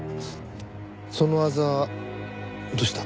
そのあざどうした？